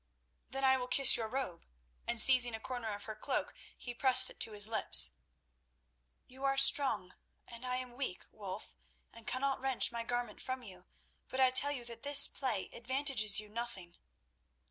"Then I will kiss your robe," and seizing a corner of her cloak, he pressed it to his lips. "You are strong—I am weak, Wulf, and cannot wrench my garment from you, but I tell you that this play advantages you nothing."